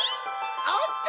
おっと！